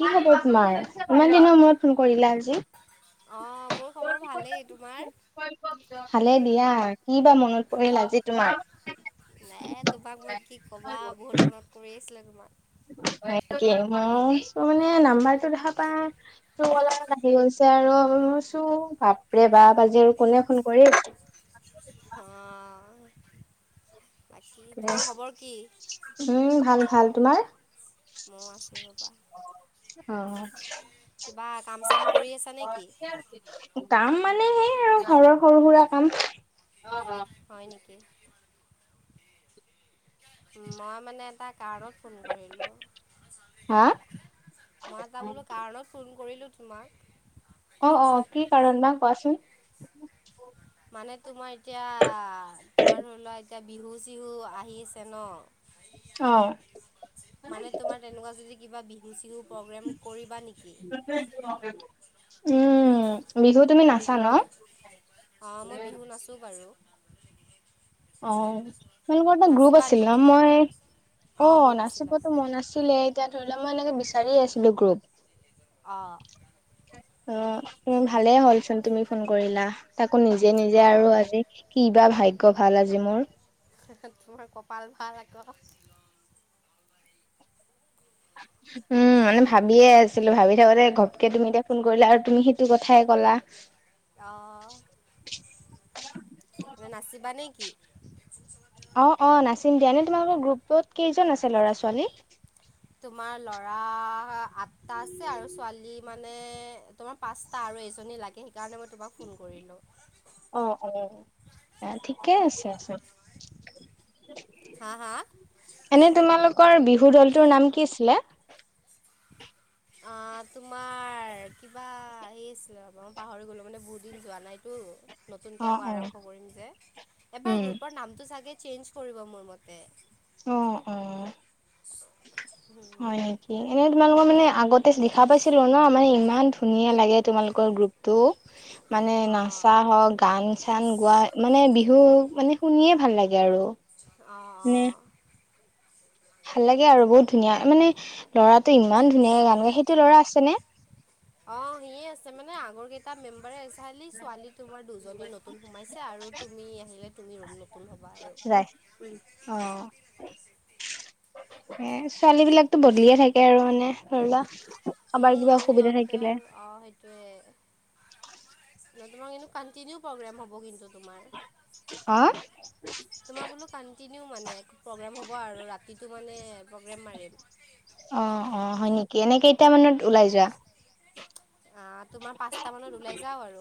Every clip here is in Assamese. কি খব তোমাৰ ইমান দিনৰ মূৰত ফোন কৰিলা আজি অ', মোৰ খবৰ ভালেই, তোমাৰ? ভালে দিয়া কি বা মনত পৰিল আজি তোমাৰ নাই তোমাক মই কি ক'বা বহুত মনত কৰি আছিলা তুমি তে তোৰ মানে নাম্বাৰ টো দেখা পাই তোৰ অলপ আহি গৈছে আৰু চ বাপৰে বা বাজি আৰু কোনে ফোন কৰি অ', বাকী তোমাৰ খবৰ কি? উম ভাল ভাল তোমাৰ ম আছে ববা অ কাম চাম কৰি আছা নেকি? কাম মানে সেই আৰু ঘৰৰ সৰু সুৰা কাম হয় নেকি উ মই মানে এটা কাৰণত ফোন কৰিলো হা? মই যাবোলো কাৰণত ফোন কৰিলো কিোমাৰ অ অ কি কাৰণ বা কোৱাচোন মানে তোমাৰ এতিয়া তোমাৰ ধৰি লোৱা এতিয়া বিহু চিহু আহি আছে ন অ', মানে তোমাৰ তেনেকুৱা যদি কিবা বি গুচিঙো প্ৰ'গ্ৰেম কৰিবা নেকি উ বিহু তুমি নাচা ন অ মই বিহু নাচো বাৰু অ তোমালোকৰ এটা গ্ৰুপ নাচিবা আছিল ন নেকি? মই অঁ অ গ্ৰুপ আছিলে নাচিবতো মন ন আছিলে এতিয়া ধৰি লোৱা মই এনেকে বিচাৰিয়ে আছিলো গ্ৰুপ অ অ উ ভালেই হ'লচোন তুমি ফোন কৰিলা তাকো নিজে নিজে আৰু অঁ আজি কি বা ভাগ্য় আজ মোৰ তোমাৰ কপাল ভাল আকৌ উম মানে ভাবিয়ে আছিলো ভাবি থাকোতে ঘপকে তুমি এতিয়া ফোন কৰিলা আৰু তুমি সেইটো কথাই কলা আহ মানে নাচিবা নে কি অ অ নাচিম দিয়া নে তোমালোকৰ গ্ৰুপত কেইজন আছে ল'ৰা ছোৱালী তোমাৰ লৰা আঠটা আছে আৰু ছোৱালী মানে তোমাৰ পাঁচটা আৰু এেইজনী লাগে সেইকাৰণে মই তোমাক ফোন কৰিলোঁ অ অ এ ঠিকে আছে আছে হা হা এনে তোমালোকৰ বিহু দলটোৰ নাম কি আছিলে অ তোমাৰ বাা সে আছিলে ৰবা মই পাহৰি গ'লো মানে বহুত দিন যোৱা নাইতো নতুনকে অ আকৌ অ আৰম্ভ কৰিম যে এবাৰ উম গ্ৰুপৰ নামটো চাগে চেঞ্জ কৰিব মোৰ মতে অ অ হয় নেকি এনে তোমালোকৰ মানে আগতে দেখা পাইছিলো ন মানে ইমান ধুনীয়া লাগে তোমালোকৰ গ্ৰুপতটো মানে অঁ নচা হওঁক গান চান গোৱা মানে বিহু মানে শুনিয়ে ভাল লাগে আৰু নে অঁ অঁ ভাল লাগে আৰু বহুত ধুনীয়া মানে ল'ৰাটো ইমান ধুনীয়া গান গাই সেইটো ল'ৰা আছেনেে অ সিয়ে আছে মানে আগৰ কেইটা মেম্বাৰে এজালি ছোৱালী তোমাৰ দুজনী নতুন সোমাইছে আৰু তুমি আহিলে তুমি নতুন হ'বা আৰু অ', এ ছোৱালী বিলাকতো বদলিয়ে থাকে আৰু মানে ধৰি লোৱা কাৰোবাৰ কিবা উম, অসুবিধা সিহঁতে থাকিলে আৰু অ, সেইটোয়ে তোমাৰ কিন্তু কণ্টিনিউ প্ৰগ্ৰেম হ'ব কিন্তু তোমাৰ অ তোমাৰ বোলো কন্টিনিউ মানে প্ৰগ্ৰেম হ'ব আৰু ৰাতিটো মানে প্ৰগ্ৰেম মাৰিম অ', অ', হয় নেকি, এনে কেইটামানত ওলাই যোৱা? আ, তোমাৰ পাঁচটা মানত ওলাই যাওঁ আৰু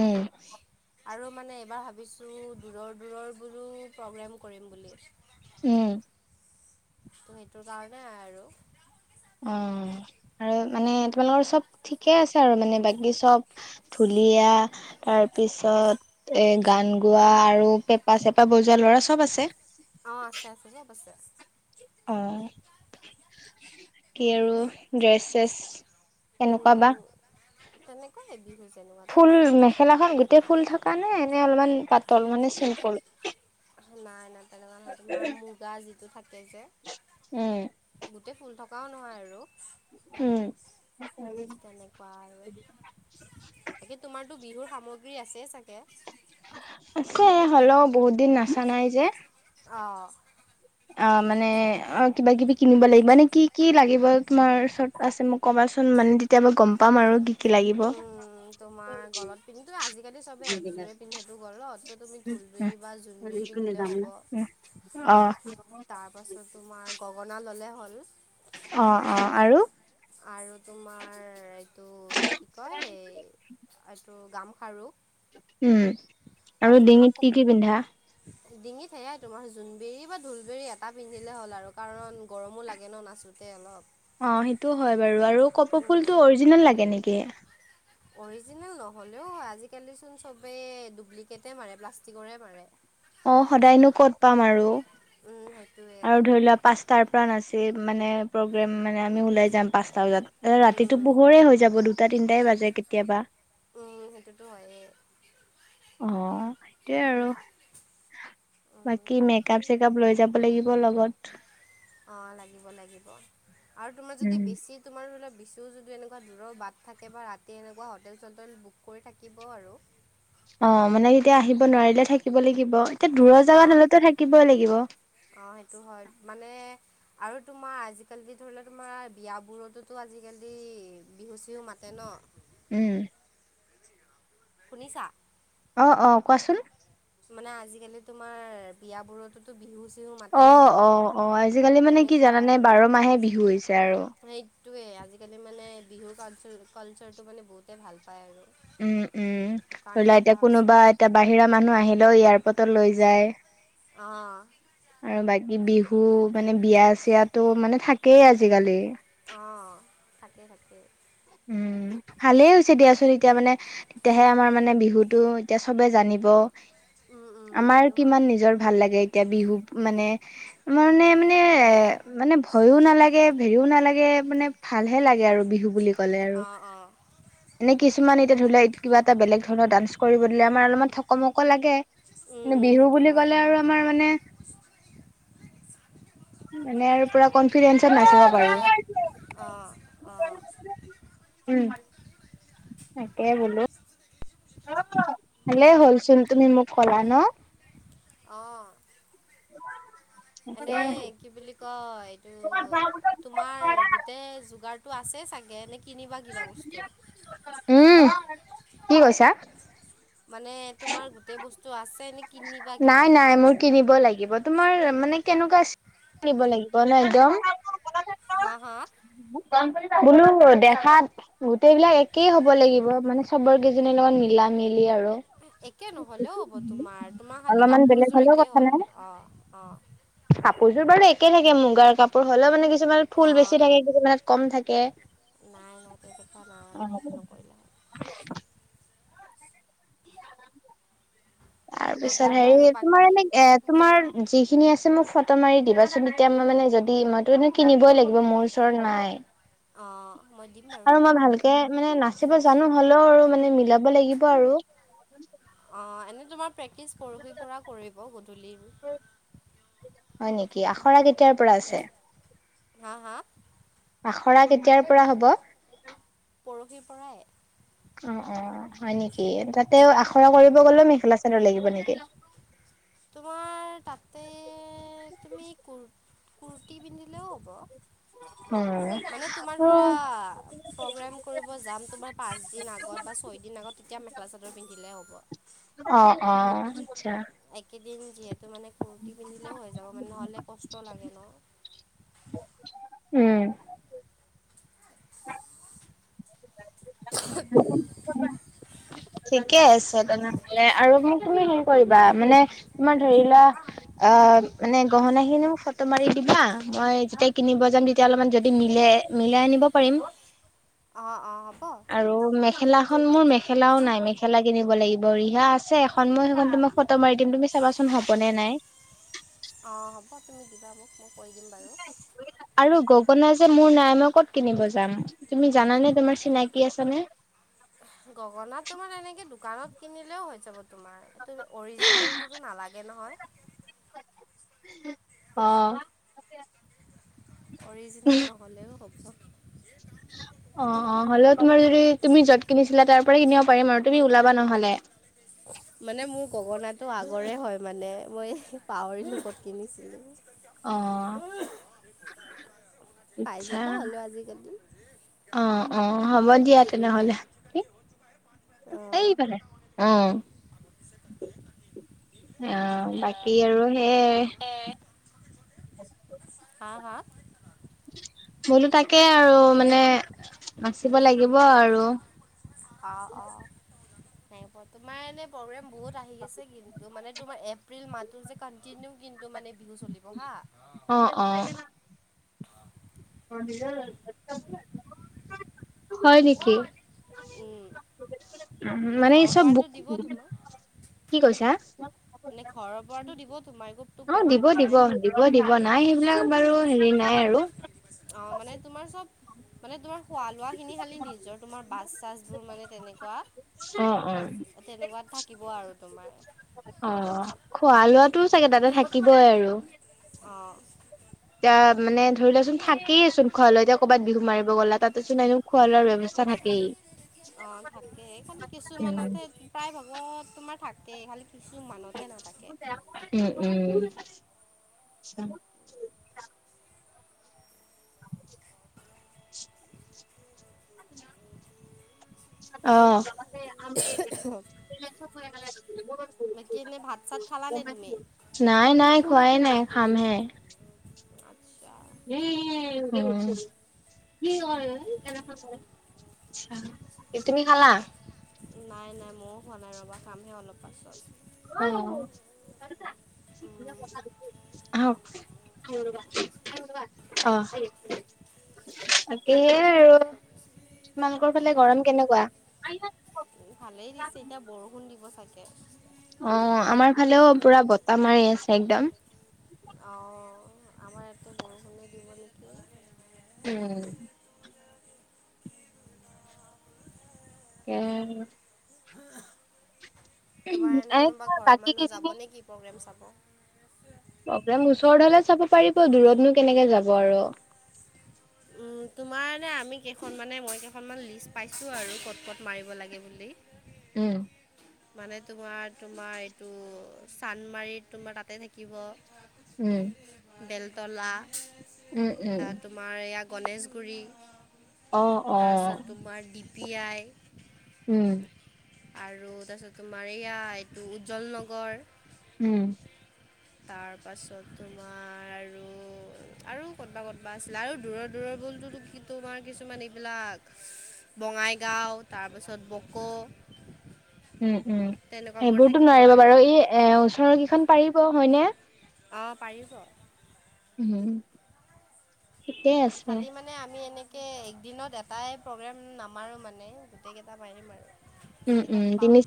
উম আৰু মানে এইবাৰ ভাবিছোঁ দূৰৰ দূৰৰবোৰো প্ৰগ্ৰেম কৰিম বুলি। উম, ত' সেইটোৰ কাৰণে আৰু। অ', আৰু মানে তোমালোকৰ চব ঠিকে আছে আৰু মানে বাকী চব ধু ধুলীয়া তাৰ পিছত এ গান গোৱা আৰু পেঁপা চেপা বজোৱা ল'ৰা ছ চব আছে। অ', আছে আছে চব আছে। অ কি আৰু ড্ৰেছ ছেছ কেনেকুৱা বা? তেনেকুৱাই বিহু যেনেকুৱা ফুল তোমাৰ মেখেলাখন গোটেই ফুল থা কাৰণে এনে অলপমান পাতল মানে চিম্পুল নাই নাই তেনেকুৱা নহয় তোমাৰ মুগা যিটো থাকে যে উম গোটেই ফুল থকাও নহয় আৰু। উম, তেনেকুৱা টো বিহুৰ সামগ্ৰী আছে ছা আছে হ'লেও বহুত দিন নাচা নাই যে। অ', অ', মানে অ', কিবা কিবি কিনিব লাগিব এনে কি, কি, লাগিব তোমাৰ ওচৰত আছে মোক কবা চোন মানে তেতিয়া মই গম পাম আৰু কি, কি, লাগিব। উম তোমাৰ গলত পিন্ধাটো আজিকালি চবে একযোৰে পিন্ধেটো গলত ত' তুমি উম টোবিৰি বা জোনবিৰি উম, অ', তাৰ পাছত তোমাৰ গগনা ললে হ'ল। অ', অ', আৰু? আৰু তোমাৰ এইটো এইটো কি কয় এইটো গামো উম, আৰু তাৰপিছত ডিঙিত কি তোমাৰ কি পিন্ধা? ডিঙিত সেয়াই তোমাৰ জোনবেৰি বা ঢোলবৰি এটা পিন্ধিলে হ'ল আৰু কাৰণ গৰমো লাগে ন নাচ নাচোঁতে অলপ অ', সেইটো হয় বাৰু আৰু কপৌ উম ফুলটো অৰিজিনেল লাগে নেকি? অৰিজিনেল নহ'লেও আজিকালিচোন চবেই ডুপ্লিকেটে মাৰে প্লাষ্টিকৰে মাৰে। অ', সদায়নো কত পাম আৰু, উম সেইটোৱে আৰু ধৰি লোৱা পাঁচটাৰ পৰা নাছিল মানে প্ৰগ্ৰেম মানে আমি ওলাই যাম পাঁচটা বজাত এ উম ৰাতিটো পোহৰে হৈ যাব দুটা তিনটাই বাজে কেতিয়াবা। উম, সেইটোতো হয়ে। অ', সেইটোৱে আৰু। উম বাকী তাকেই মেকপ চেকাপ লৈ যাব লাগিব লগত। অ', লাগিব লাগিব আৰু তোমাৰ যদি উম। বেছি তোমাৰ বোলে ছোঁ যদি এনেকুৱা দূৰৰ বাট থাকে বা ৰাতি এনেকুৱা হোটেল চোটেল বুক কৰি থাকিব আৰু। অ', মানে এতিয়া আহিব নোৱাৰিলে থাকিব লাগিব। এয়া দূৰৰ অঁ জাগাত হলেতো থাকিবই লাগিব। অঁ সেইটো হয় মানে আৰু তোমাৰ আজিকালি ধৰি লোৱা তোমাৰ বিয়াবোৰতো আজিকালি বিহু চিহু মাতে ন। উম, শুনিছা? অ', অ' কোৱাচোন। মানে আজিকালি তোমাৰ বিয়াবোৰতোতো বিহু চিহু মাতে ন অ', অ', অ' আজিকালি মানে কি তেনেকুৱা জানানে বাৰ মাহে বিহু হৈছে আৰু। টোৱেই আজিকালি মানে বিহুৰ কালচাৰ কালচাৰটো মানে বহুতেই ভাল পায় আৰু। উম, উম, ধৰি সেইকাৰণে লোৱা মাতা এতিয়া হৈছে কোনোবা আৰু এতিয়া বাহিৰা মানুহ আহিলেও এয়াৰপৰ্টত লৈ যায়। অঁ আৰু বাকী বিহু হু মানে বিয়া চিয়াতো মানে থাকেই আজিকালি। অ' থাকে থাকে। উম। ভালেই হৈছে দিয়াচোন, এতিয়া মানে তেতিয়াহে আমাৰ মানে বিহুতটো এতিয়া চবে জানিব। উম উম আমাৰ সেইটো হয় কিমান নিজৰ ভাল লাগে এতিয়া বিহু মানে মানে মানে ভয়ো নালাগে হেৰিও নালাগে মানে ভালহে লাগে আৰু বিহু বুলি। ক'লে আৰু অ', অ'। এনে কিছুমান এতিয়া ধৰি লা কিবা এটা বেলেগ ধৰণৰ ডান্স কৰিব দিলে আমাৰ অলপমান থকমক লাগে। উম নে উম বিহু সেইটো বুলি হয় ক'লে আৰু আমাৰ মানে মানে আৰু পুৰা কনফিডেন্ঞ্চত নাচিব পাৰোঁ। অ'। উম, তকেই বোলো। হ'লে হ'লচোন তুমি মোক কলা ন'। অ'। এনে কি বুলি কয় এইটো তোমাৰ গোটেই যোগাৰ টো আছে চাগে। কিনিবা কিবা বস্তু। উম কি কৈছা? মানে তোমাৰ গোটেই বস্তু আছে। নে কিনিবা কিবা নাই নাই মোৰ কিনিব লাগিব। তোমাৰ মানে কেনেকুৱা স্কি লাগিব নে একদম। হা হা? বোলো দেখাত গোটেইবিলাক একেই হ'ব লাগিব মানে চবৰ কেইজনীৰ লগত মিলা মিলি। মিলি আৰু। একে নহ'লেও হ'ব তোমাৰ তোমাৰ খালী অলপমান বেলেগ কাপোৰযোৰ হ'লেও একেই কথা হ'ল নাই। অ', অ'। কাপোৰযোৰ বাৰু একে থাকে মুগাৰ কাপোৰ হ'লেও মানে কিছুমান ফুল অঁ বেছি থাকে, কিছুমানত কম থাকে। নাই নাই তে কা নাই নাই কি নকৰিলে হয়। [inaudible] তোমাক তাৰপিছত ক'লোঁ আৰু হেৰি তোমাৰ বাকী এনে এ, প্ৰগ্ৰেম আছে তোমাৰ যিখিনি আছে মোক ফ টো মাৰি দিবাচোন, তেতিয়া মই মানে যদি মইতো এনে কিনিবই লাগিব মোৰ ওচৰত নাই। অঁ মই দিম বাৰু আৰু ফটো মই মাৰি ভালকে বাৰু মানে নাচিব জানো হ'লেও আৰু মানে মিলাব লাগিব আৰু। অ' এনে তোমাৰ প্ৰেক্টিচ পৰোহি পৰা কৰিব গধূলিৰ। হয় নেকি? আখৰা কেতিয়াৰপৰা আছে? হা, হা? আখৰা কেতিয়াৰপৰা হ'ব? পৰহিৰ পৰাই। অ', অ' হয় নেকি? তাতে আখৰা কৰিব গ'লেও মেখেলা চাদৰ লাগিব নেকি? তোমাৰ তাতে তুমি কু-কুৰ্তি পিন্ধিলেও হ'ব। উম। মানে তোমাৰ ধৰা প্ৰগ্ৰেম কৰিব যাম তোমাৰ পাঁচ দিন আগত বা ছয় দিন আগত। এতিয়া মেখেলা চাদৰ পিন্ধিলেহে হ'ব। অ', অ'। একেদিন যিহেতু মানে কুুৰ্তি পিন্ধিলেও হৈ যাব মানে নহ'লে কষ্ট লাগে ন'। উম। [inaudible] ঠিকে আছে তেনেহলে আৰু মোক তুমি ফোন কৰিবা মানে তোমাৰ ধৰি লোৱা অ' মানে গহনা খিনি মোক ফটো মাৰি দিবা মই যেতিয়া কিনি নিব যাম তেতিয়া অলপমান যদি মিলে মিলাই আনিব পাৰিম। আহ অ'। আৰু মেখেলা এখন মোৰ মেখেলাও নাই মেখেলা কিনিব লাগিব ৰিহা আছে এখন মই সেইখন তোমাক ফটো মাৰি দিম তুমি চাবাচোন। হ'বনে নাই। [unintelligible] হ'ব তুমি দিবা মোক মই কৈ দিম বাৰু আৰু গগনা যে মোৰ নাই মই ক'ত কিনিব যাম তুমি জানানে তোমাৰ চিনাকি আছানে? উ [unintelligible] গগনা তোমাৰ এনেকে দোকানত কিনিলেও হৈ যাব তোমাৰম অৰিজিনেলটোতো নালাগে নহয়। হয়। অ'। অৰিজিনেল নহ'লেও হ'ব। অ [unintelligible] অ', অ' হ'লেও তোমাৰ যদি তুমি য'ত কিনিছিলা তাৰ পৰাই কিনিব পাৰিম আৰু তুমি ওলাবা নহ'লে। মানে মোৰ গগনাটো আগৰে হয় মানে মই পাহৰিলো কত কিনিছিলো। অ'। পাই আচ্ছা যাবা হ'লও আজি কালি। অ', অ' হ'ব দিয়া তেনেহলে। অঁ। [unintelligible] আহ অ' বাকী আৰু সেই উ [unintelligible] হ হা? বোলো তাকে আৰু মানে নাচিব লাগিব আৰু। অ', অ' সবোৰ তোমাৰ এনে প্ৰব্ৰেম বহুত আহি গৈছে কিন্তু মানে তোমাৰ এপ্ৰিল মাহটো যে কণ্টিনিউ কি তটো মানে বিহু চলিব হা। অ অ হয় নেকি। উম,। মানে ঘৰৰ চব পৰাতো দিব তোমাক। কি কৈছা? মানে ঘৰৰ পৰাতো দিব তোমাৰ একোতো অ' দিব প্ৰব্লেম দিব নাই দিব দিব নাই সেইবিলাক বাৰু নাই আৰু। অ' মানে তোমাৰ চ'ব মানে তোমাৰ খোৱা লোৱা খিনি খালি নিজৰ তোমাৰ বাছ চাছবোৰ মানে তেনেকুৱা অ', উম। তেনেকুৱাত থাকিব আৰু তোমাৰ অ' খোৱা লোৱাতটো চাগে তাতে থাকিবই আৰু। অঁ। এতিয়া মানে ধৰি লোৱাচোন থাকেইেচোন খোৱাৈ এতিয়া ক'বাত বিহু মাৰিব গ'ল তাততেন নো খোৱা লোৱাৰ ব্য অ' থাকে খালি উম, কিছুমানতহে প্ৰায় ভাব ত' তোমাৰ থাকেই খালি কিছুমানতহে নাথাকে। উম, উম। [unintelligible] [unintelligible] [unintelligible] অ' আমি বাকী এনে ভাত চাত [unintelligible] খালানে তুমি? নাই নাই খোৱাই নাই খামহে আচ্ছা, উম উম কি তুমি খালা। নাই নাই মইো হোৱা নাই ৰবা কামহে অলপ পাছ। অ উম, অ। ধনব ধনব অ হ। তাকেে আৰু তোমালোকৰ ফালে গৰম কেনেকুৱা। ভালেই দিছে এতিয়া বৰষুণ দিব চাগে। অ আমাৰ ফালেও পুৰা বতাহ মাৰি আছে একদম। অ আমাৰ এটা বৰষুণৰ দ বুলি কি। উম। উ। তোমাৰ এনে কোনোবা তোমাৰ ঘৰৰ বাকী মানুহ কেইজনী যাব নে কি প্ৰগ্ৰেম চাব। প্ৰব্লেম ওচৰ হলে চাব পাৰিব দূৰতনো কেনেকে যাব আৰু। তোমাৰানে আমি কেইখনমানানে মই কেইখনমান লিষ্ট পাইছোঁ আৰু ক'ত ক'ত মাৰিব লাগে বুলি। উম। মানে তোমাৰ তোমাৰ এইটো চান্মাৰ তোমাৰ তাতে থাকিব। উম। বেলতলা উম উম তোমাৰ এইয়া গণেশগুৰি। অ অ তাৰপিছত তোমাৰ ডি পি আই। উম। আৰু তাৰপিছত তোমাৰ এইয়া এইটো উজ্জ্বল নগৰ। উম। তাৰ পাছত তোমাৰ আৰু আৰু কৰবা ক'বা আছিলে আৰু দূৰৰ দূৰডগটগীটখকীকককীককীককহষ। বলো কিু আমাৰ কিছুমান এইবিলাক। বঙাইগাঁও তাৰপিছত বক'। উম উম সেইবোৰতো থাকিব নোৱাৰিব আৰু বাৰু ই এ ওচৰৰ কেইখন পাৰিব হয়নে। অঁ পাৰিব। উম। ঠিকেই আছে খালি মানে আমি এনেে। তাকে একদিনত এটাই প্ৰগ্ৰেম নামাৰোঁ মানে গোটেইকেইটা মাৰিম আৰু। উম যিকেইটাত উম পাওঁ দিমি।